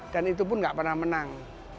dan itu pun gak pernah menang